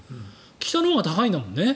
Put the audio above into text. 北のほうが高いんだもんね。